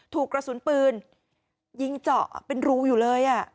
ถูกกระสุนปืนยิงเจาะเป็นรูอยู่เลย